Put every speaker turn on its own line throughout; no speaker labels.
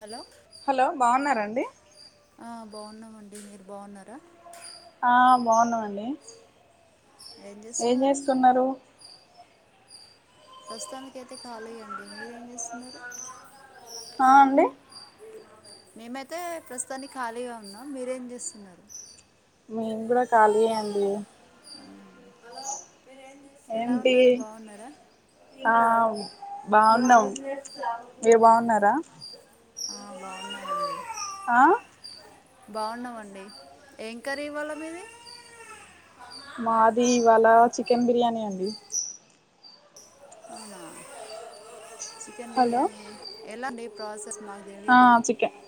Hello
hello బావున్నారా అండి
ఆ బాగున్నామండి మీరు బాగున్నారా
ఆ బోనమండి ఏం చేస్తున్నారు
ప్రస్తుతానికైతే కాలి యండి మీరేం చేస్తున్నారు
ఆ అండి
మేమైతే ప్రస్తుతానికి ఖాళీగా ఉన్నాం మీరేం చేస్తున్నారు
మేము కూడా ఖాళీ ఎ అండి
ఎలా
ఏంటి
ఉన్నారు బాగున్నారా
ఆ బాగున్నాం మీరు బాగున్నారా
ఆ బాగున్నామండి
అ
బాగున్నామండి ఏం కర్రీ ఇవ్వాల మీది
మాది ఇవాళ చికెన్ బిర్యానీ అండి
అవునా చికెన్
హలో
బిర్యాని ఎలా మీ ప్రాసెస్ స్ మాకు
ఆ
తేలిదు
chicken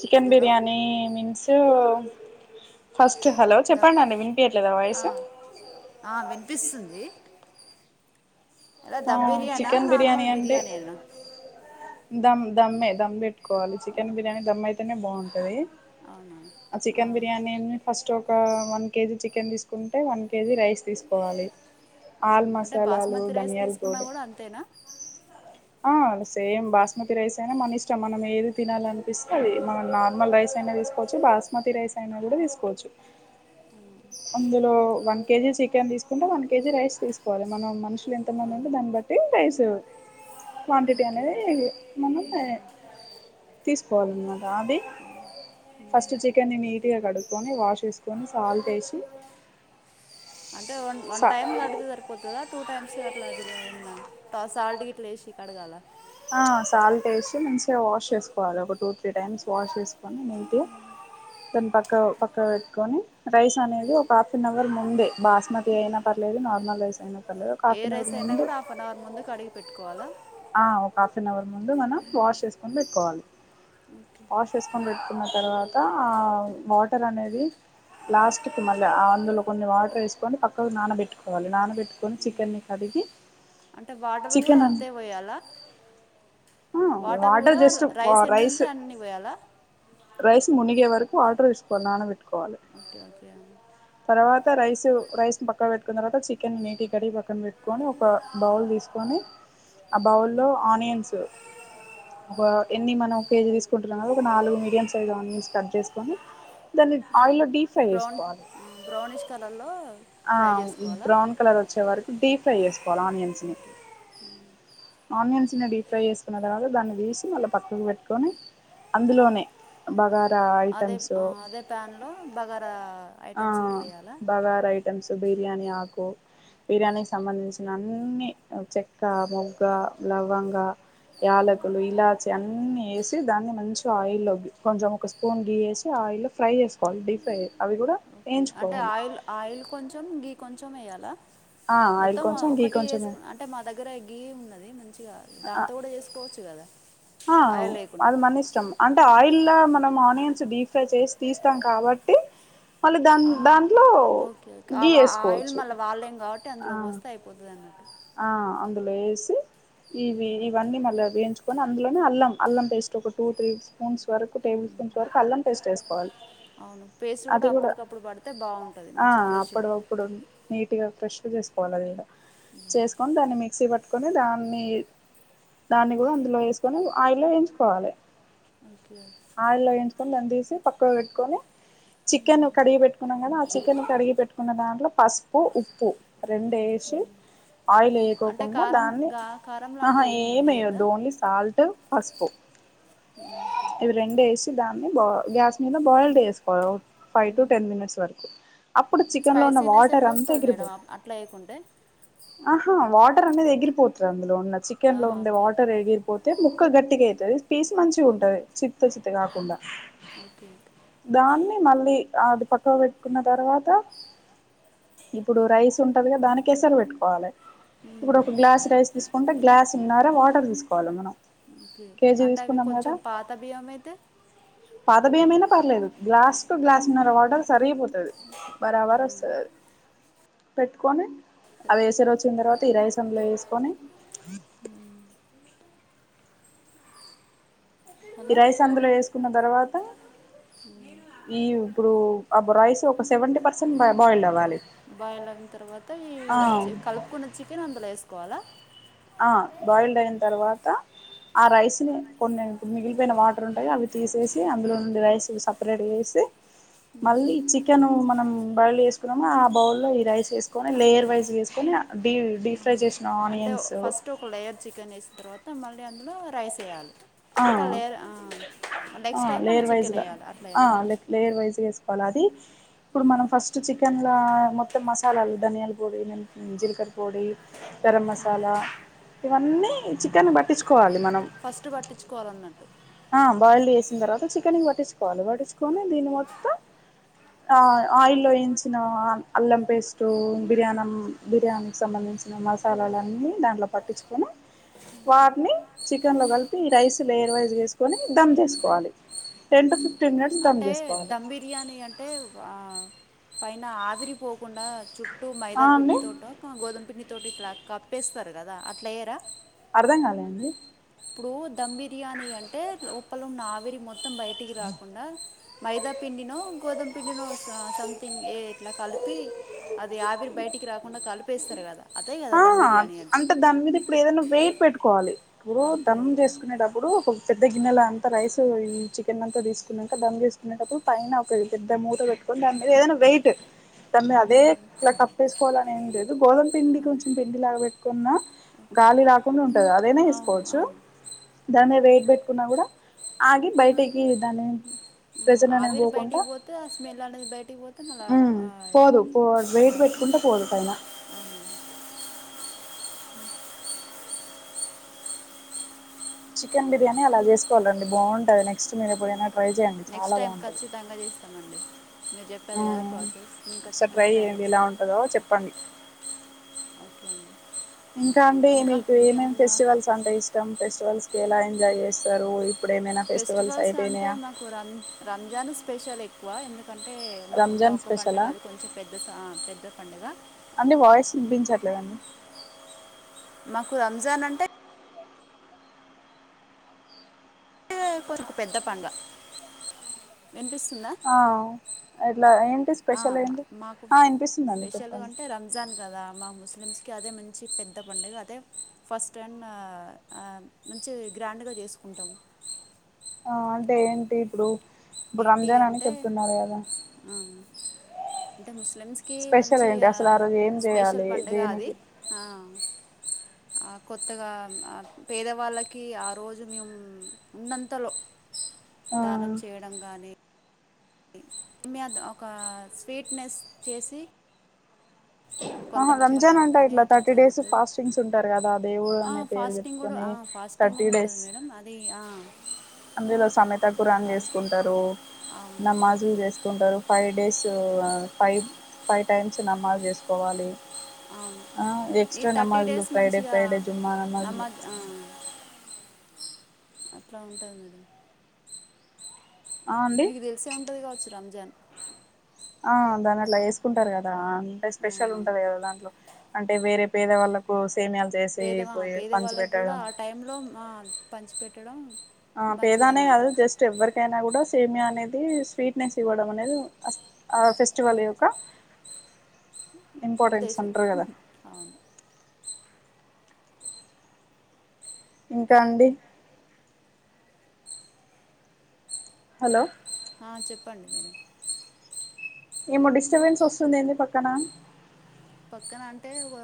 chicken biryani means first hello
డ్బ్
చెప్పండి అండి వినిపియట్లేదా వాయిస్
అ అ వినిపిస్తుంది ఎలా
ఆ
దమ్ బిర్యానా
చికెన్ బిర్యాని
నార్మల్
అంటే
బిర్యానీనా
దమ్ దమ్మే దమ్ పెట్టుకోవాలి చికెన్ బిర్యానీ దమ్ అయితేనే బాగుంటది
అవునా
చికెన్
ఆ.
బిర్యానీ ఫస్ట్ ఒక వన్ కేజీ చికెన్ తీసుకుంటే వన్ కేజీ రైస్ తీసుకోవాలి ఆల్ మసాలాలు ధనియాలు
కున్నా కూడా అంతేనా
ఆ సేమ్ బాస్మతి రైస్ అయినా మన ఇష్టం మనం ఏది తినాలనిపిస్తే అది మనం నార్మల్ రైస్ అయినా తీసుకోవచ్చు బాస్మతి రైస్ అయినా కూడా తీసుకోవచ్చు అందులో వన్ కేజీ చికెన్ తీసుకుంటే వన్ కేజీ రైస్ తీసుకోవాలి మనం మనుషులు ఎంత మంది
ఆహా.
దాన్ని బట్టి రైస్ క్వాంటిటీ
ఓకే
అనేది
ఓకే.
మన తీసుకోవాలన్నమాట అది ఫస్ట్ చికెన్ని నీటిగా కడుక్కొని వాష్ వేసుకొని సాల్ట్ వేసి
అంటే వన్
స
టైమ్ కడితే సరిపోతదా టూ టైమ్స్ అట్టలే సాల్ట్ గిట్ల ఎసి కడగాల
ఆ సాల్ట్ వేసి మంచిగా వాష్ చేసుకోవాలి ఒక టూ త్రీ టైమ్స్ వాష్ చేసుకొని నీట్గా దాని పక్క పక్క పెట్టుకొని రైస్ అనేది ఒక హాఫ్ అన్ అవర్ ముందే బాస్మతి అయిన పర్ లేదు నార్మల్ రైస్ అయిన పర్లేదు ఒక
ఏ
హాఫ్నహౌర్
రైస్ అయినా
ముందు
కూడా హాఫ్ అన్ అవర్ ముందు కడిగి పెట్టుకోవాలా
ఆ హాఫ్ అన్ అవర్ ముందు మనం వాష్ చేసుకొని పెట్టుకోవాలి
ఓకే
వాష్ చేసుకొని పెట్టు నా ఆ తర్వాత ఆ వాటర్ అనేది లాస్ట్కి మళ్ళీ అందులో కొన్ని వాటర్ వేసుకొని పక్కకు నానబెట్టుకోవాలి నానబెట్టుకొని చికెన్నిన్ని కడిగి
అంటే వాటర్ కూడా అంతే పోయాల
ఆ వాటర్ జస్ట్
ఎన్ని
రైస్
ఉంటే అన్ని పోయాలా
రైస్ మునిగే వరకు వాటర్వెకో నానపెట్టుకోవాలి
ఓకే ఓకే
త రైస్ రైస్ పక్కన పెట్టుకున్న తర్వాత చికెన్ నీటికడిగీ పక్కన పెట్టుకొని ఒక బౌల్ తీసుకొని ఆ బౌల్లో ఆనియన్స్ ఒక ఎన్ని మనం ఒక కేజీ తీసుకుంటున్నాం కదా ఒక నాలుగు మీడియం సైజు ఆనియన్స్ కట్ చేసుకొని దని ఆయిలో డీప్ఫ్రై
బ్రౌన్
చేసుకోవాలి
బ్రౌనిష్ కలర్లో ఫ్రై చేసుకోవాలా
బ్రౌన్ కలర్ వచ్చే వరకు డీప్ ఫ్రై చేసుకోవాలి ఆనియన్స్ ని
ఓకే
ఆనియన్స్ ని డీప్ ఫ్రై చేస్కుని అలగే దాని మళ్ళీ తీసి పక్కన పెట్టుకుని అందులోనే బాగారా
అదే అదే ప్యాన్లో బగారా ఐటమ్స్ గీట్లా వేయాలా
బిర్యాని ఆకు బిర్యానీకి సంబంధించిన అన్ని చెక్క మొగ్గ లవంగా యాలకులు ఇలాచి అన్ని వేసి దాన్ని మంచి ఆయిల్ కొంచెం ఒక స్పూన్ గీయేసి ఆయిల్ ఇలా ఫ్రై చేసుకోవాలి డీప్ ఫ్రై అవి కూడా
ఓకే అంటే
వేయించుకోవాలి
ఆయిల్ ఆయిల్ కొంచెం గీ కొంచెం వేయ్యాలా
ఆ ఆయిల్ కొంచెం గీ కొంచమ
అంటే మా దగ్గర గీ ఉన్నది మంచిగా దాంతో కూడా చేసుకోవచ్చు కదా
ఆ
ఆయిల్ లేకుండా
అది మన ఇష్టం అంటే ఆయిల్ ఇలా మనం ఆనియన్స్ డీప్ ఫ్రై చేసి తీస్తాం కాబట్టి మళ్ళీ దాని
ఆహా
దాంట్లో
ఓకే ఓకే
గీ
ఆ ఆయిల్
వేసుకోవచ్చు
మళ్ళా వాడలేము కాబట్టి
ఆ
అందులోకి పోస్తే అయిపోతుంది అన్నట్టు
ఆ అందులో వేసి ఇవి ఇవన్నీ మళ్ళా వేయించుకోని అందులోనే అల్లం అల్లం పేస్ట్ ఒక టూ త్రీ స్పూన్స్ వరకు టేబుల్ స్పూన్స్ వరకు అల్లం టేస్ట్ వేసుకోవాలి
అవును పేస్ట్
అది కూడా
అప్పటికప్పుడు పడితే బాగుంటుంది
ఆ
మంచిగా ఫ్రెష్గా
అప్పుడు అప్పుడు నీటి గా ఫ్రెష్ గా చేసుకోవాలి చేసుకొని దాన్ని మిక్సీ పట్టుకొని దాన్ని దాన్ని కూడా అందులో వేసుకొని ఆయిల్లో వేయించుకోవాలి
ఓకే ఓకే.
ఆయిల్లో వేయించుకొని దాన్ని తీసి పక్కన పెట్టుకొని చికెన్ కడిగి పెట్టుకున్నాం కదా ఆ చికెన్ కడిగి పెట్టుకున్న దాంట్లో పసుపు ఉప్పు ఉప్పు రెండే ఆయిల్
అంటే
వేయకోకుండా
కారం
దాన్ని
గా కారం
ఆహా
లాంటివి ఏం వేయొద్దా
ఏమియ్యద్దు ఓన్లీ సాల్ట్ పసుపు ఈ రెండు వేసుకొని దాని బా గ్యాస్ మీద బాయిల్డ్ చేసుకోవాలి ఫైవ్ టు టెన్ మినిట్స్ వరకు అప్పుడు చికెన్ లో ఉన్న
స్పైసీనెస్
వాటర్
ఎట్లా
అంతా
వస్తుంది మేడం
ఎగిరిపోతుది
అట్లా వేయకుంటే
ఆహా వాటర్ అనేది ఎగిరిపోతాది అందులో ఉన్నది చికెన్ లో
ఆహా,
ఉండే
ఓకే ఓకే
వాటర్ ఎడిగిపోతే ముక్క గట్టిగా అవుతుంది పపేస్ మంచి
ఉమ్,
ఉంటది చిత్త చిత్త కాకుండా
ఓకే ఓకే
దాన్ని మళ్ళీ ఆ అది పక్కవ పెట్టుకున్న తరువాత ఇప్పుడు రైస్ ఉంటదిగా దానికి ఎసర పెట్టుకోవాలి ఇప్పుడు ఒక గ్లాస్ రైస్ తీసుకుంటే గ్లాస్ ఉన్నారా వాటర్ తీసుకోవాలి మనం
ఒకే
కేజీ
అంటే అవి
తీసుకున్నాం
కొంచెం పాత బియ్యం అయితే
పాద బియ్యమైనా పర్లేదు గ్లాస్ కు గ్లాస్ న్నర వాటర్ సరిపోతుంది బారాబరా వస్తుంది పెట్టుకని అది ఎసరు వచ్చిన తరువాత ఈ రైస్ అందులేసుకొని ఈ
అలా
రైస్ అందులేసుకున్న తర్వాత ఈ ఇప్పుడు అబ రైస్ ఒక సెవెంటీ పర్సెంట్ బాయిల్ అవ్వాలి
బైలైన్ తరువాత ఈ
ఆ
చి కలుపుకున్న చికెన్ అందులో వేసుకోవాలా
ఆ బాయిల్డ్ అయిన తర్వాత ఆ రైస్ ని కొన్ని ఇప్పుడు మిగిలిపోయిన వాటర్ ఉంటాయి అవి తీసేసి అందులో నుండి రైస్ సపరేట్ చేసి మళ్ళీ చికెను మనం బౌల్ వేసుకున్నాము ఆ బౌల్లో లో ఈ రైస్ వేసుకొని లేయర్ వైస్ వేసుకొని ఫ్రై
ఆహా.
చేసిన
అంటే
ఆనియన్స్
ఫస్ట్ ఒక లేయర్ చికెన్ వేసిన తర్వాత మళ్ళీ అందులో రైస్ వేయాలి
ఆ
అట్లా లేయర్
ఆ
నెక్స్ట్ టైం మళ్ళీ
లేయర్
చికెన్
వైజ్గా
వేయాలి అట్లా వేయాలా
లేయర్ వైజ్గా వేసుకోవాలి అది ఇప్పుడు మనం ఫస్ట్ చికెన్ల మొత్తం మసాలాలు ధనియాల పొడి మ జీలకర్ర పొడి గరం మసాలా ఇవన్నీ చికెన్ కి పట్టించుకోవాలి మనం
ఫస్ట్ పట్టించుకోవాలన్నట్టు
ఆ బాయిల్ చేసిన తర్వాత చికెన్ కి పట్టించుకోవాలి పట్టించుకొని దీని
ఓకే
మొత్తం ఆ ఆయిల్లో వయించిన అల్లం పేస్ట్ బిర్యానం బిర్యానీ సంబంధించి మసాలాలున్నీ దాంట్లో పట్టించుకొని వాటిని చికెన్ లో కలిపి ఈ రైస్ లేయర్ వైజుగా ఎసుకోనీ ధమ్ జేసుకోవాలి టెన్ టు
ఓకే
ఫిఫ్ మినిట్స్
ఓకే
దమ్
అంటే
చేసుకోవాలి
ధమ్ బిర్యానీ అంటే ఆ పైన ఆవిరిపోకుండా చుట్టూ మైదా
ఆ అండి
పండితోటో కా గోదుపిండి తోటి ఇట్లా కప్పేస్తారు కదా అట్లా ఎయ్యరా
అర్థం కాలే అండి
ఇప్పుడు ధమ్ బిర్యానీ అంటే లోపల ఉ నావిరి మొత్తం బయటికి రాకు
ఆ
మైదా పిండినో గోధుమ పిండినో సంథింగ్ ఏ ఇట్లా కలిపి అది ఆవిరి బయటి రాకుండా కలిపేస్తారు కదా అదే కదా
ఆ
దమ్ బిర్యానీ
అంటే దాని మీద ఇప్పుడు ఏదైనా వెయిట్ పెట్టుకోవాలి ఇప్పుడు
ఓకే
దనం
ఓకే
చేసుకునేటప్పుడు ఒక పెద్ద గిన్నెల అంతా రైస్ చికెన్ అంతా తీసుకున్నాక దాన్ని తీసుకునేటప్పుడు పైన ఒక పెద్ద మూత పెట్ ఉందండి ఏదైనా వెయిటు దాని మీద అదే
మ్మ్.
ఇలా కప్పేసుకోవాలని ఏం లేదు గోధమ పిండి కొంచ పిండి లాగా పెట్టుకున్న గాలి రాకుండా ఉంటది అదేనా
అవును ఆ.
వేసుకోవచ్చు దాన్ని వెయిట్ పెట్టుకున్నా కూడా ఆగి బయటికి దాన్ని
ఆ ఆవిరి బయటికి పోతే ఆ స్మెల్ అనేది బయటికి పోతే మళ్ళా ఆయ్
పోదు పో
ఆ
వెయిట్ పెట్టుకుంటే ఫోదు పైనా
అ
చికెన్ బిర్యానీ అలా
ఓకే
చేసుకోవాలండి బాగుంటది నెక్ట్ మీరేప్పుర్యానా ట్రై చేయండి చాలా బాగుంటది
కంగాజెస్తా మీేరు చెప్పాలి కదా
మ్మ్.
ప్రాసెస్ మేము
ఒకసారి
ఖచ్చితంగా ట్రై
చేయండి ఎలా
చేస్తాను
ఉంటదో
ఓకే
చెప్పండి
అఓ
ఇంకా అండి మీకు ఏమేం
ఇంకేమన్నా
ఫెస్టివల్స్ అంటే ఇష్టం ఫెస్టివల్స్ కి ఎలా ఎంజాయ్ చేస్తారు ఇప్పుడు ఏమైనా
ఫెస్టివల్స్ అంటే
అయిపోయినాయా
మాకు రం రంజాన్ స్పెషల్ ఎక్కువ ఎందు ఎందుకంటే మాకున్న
రంజాన్
ఒక్క పడుగ
స్పెషలా
అది కొంచెం పెద్ద పెద్ద పడుగ
పిలగాన్ని
మాకు రంజాన్ అంటే పేపర్కు పెద్ద పంగ విన్పిస్త్
అవు
మాకు
ఆ వినిపిస్తుందండి
స్పెషల్గా
చెప్పండి
అంటే రంజాన్ కదా మా ముస్ లిమ్స్ క అదే మంచి పెద్ద పడుగ అదే ఫస్ట్ అండ్ మంచి గ్రాండ్గా చేసుకుంటాం
ఆ అంటే ఏంటి ఇప్పుడు ఇప్పుడు
ఏంటి
రంజాన్ అని
అంటే
చెప్తున్నాడు కదా
ఆ, అంటే ముస్లిమ్స్కి
స్పెషల్
మంచి
ఏంటి అసలు ఆ రోజు ఏం
స్పెషల్
చేయాలి
పడుగ అది
స
కొత్తగా పేదవాళ్ళకి ఆ రోజు మేము ఉన్నంతలో
ఆ
దానం చేయడంగాని మీద ఒక స్వీట్నెస్ చేసి
ఆహ
కొంతమంది
రంజాన్
చేయడం
అంటా
కానీ
ఇట్లా
అట్లా
థర్టీ డేస్
జరుగుతుంది
ఫాస్టింగ్స్ ఉంటారు కదా దేవుడు అనే పేరు చెప్పుకొని
ఫస్టింగ్
థర్టీ
గూడ
డేస్
ఉంటుంది మేడం అది
అందులో సమెతకురాన్
అది
చేసుకుంటారు
అవును
నమాజులు చేసుకుంటారు ఫైట్ డేస్ ఫైవ్ ఫైవ్ టైమ్స్ నమాజ్ చేసుకోవాలి
అవును
ఆ
ఈ
ఎక్స్ట్రా
థర్టీ
నమాజులు
డేస్
ఫ్రైడే
మంచిగా
ఫ్రైడే జుమ్మా నమాజులు
నమాజ్ ఆ అట్లా ఉంటది మేడం
ఆ అండి
మీకు దెలసే ఉన్టది కావచ్చు రంజాన్
ఆ దాన్ని అట్లా వేసుకుంటారు కదా అంటే స్పెషల్
అవునవును
ఉంటంది కదా దాంట్లో అంటే వేరే పేద వాళ్ళకు
పేదవా పేదవాళ్ళకి కూడా ఆ టై లో పంచి పెట్టడం
ఆ పేదానే కాదు జస్ట్ ఎవ్వరికైనా కూడా సేమ అనేది స్వీట్నెస్ ఇవ్వడం అనేది ఆ ఫెస్టివల్ యొక్క ఇంపార్టెన్స్
ఉద్దేశం
అంటారు కదా
హుహు అవును
ఇంకా అండి హలో
చెప్పండి మేడం
ఏమో డిస్టర్బెన్స్ వస్తుందిడి పక్కన
పక్కన అంటే ఓ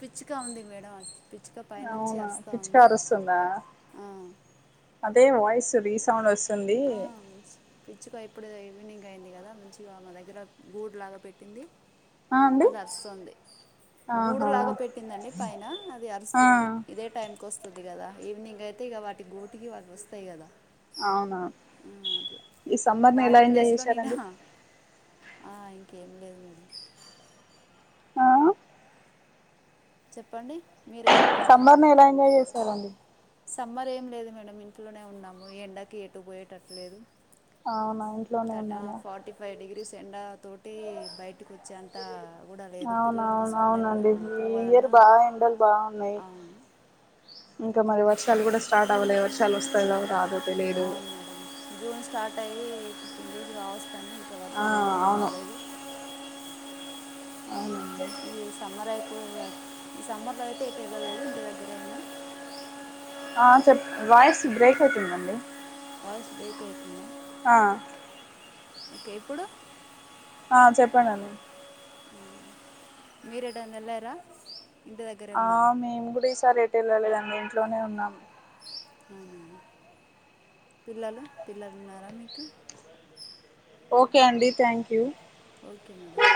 పిచ్చుక ఉంది మేడం అట్ పి పచ్చగా పై నుంచి
అవునా
అరుస్తా
పిచ్చిక
ఉంది
అరుస్తుందా
ఆ
దే వయిస్ రీసౌండ్ వ
ఆన్స్ పిచ్చుగా ఇప్పుడ దా ఈవినింగ్ అయింది కదా మంచిగా మా దగ్గర గూడులాగా పెట్టింది
ఆ అండి
అదిరుస్తుంది
ఆహా
గూడులాగా పెట్టిందండి పైన అది
ఆ
అరుస్తుంది ఇదే టైం వస్తుంది కదా ఈవినిగైతే ఇగా వాటి గూటికి వాట వస్తాయి కదా
అవునా
ఆ, అట్లా
ఈ సమ్మర్ని ఎలా
వాటి
ఎంజాయ్
ప్లేస్లో నేనా
చేశారంండి
ఆ ఇంకేం లేదు మడి
ఆహా
చెప్పండి మీరే చెప్పాలి
సంబర్ని ఎలా ఎంజాయ్ చేశారండి
సమ్మర్ ఏం లేదు మేడం ఇంట్లోనే ఉన్నాము ఎంండకి ఎటు పోయేటట్లేదు
అవును
ఫార్టీ ఫైవ్ డిగ్రీస్ ఎంండ తోటి బయటకి వచ్చేంత కూడా లేదు పిల్లల్ని తీసుకుంటే వెళ్ళ-
అవునవునువునడి
ఆ, పోవాలన్నా
బాగా ఎండలు బాగున్నాయి
అవును
ఇంకా మరి వర్షాలు కూడా స్టార్ట్ అ ఎవరు చ వస్తాయిదవ అ
అవును మేడం జూన్ స్టార్ట్ అయ్యి ఫిఫ్టీన్ డీస్ కావస్తని అవా
ఆ
చాలైతుంది
అవును
ఆలోదు
అవునండి
ఈ సమ్మర్యి ఏంలేద ఈ సమ్మర్లోయితే ఏటాలలేదు ఇంటి దగ్గరే ఉన్నా
చెప్ వాయిస్ బ్రేక్ అవుతుందండి
వాయిస్ బ్రేకవుతుందా
ఆ
ఓకే ఇప్పుడు
ఆ చెప్పండ అన్న
మీరిడం నలార
ఆ మేము కూడా ఈసారి ఎట్ వెళ్ళాలిదండి ఇంట్లోనే ఉన్నాము
పిల్లలు పిల్లలు ఉన్నారా మీకు
ఓకే అండి థ్యాంక్ యూ
ఓకే మేడంమ్